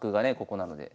ここなので。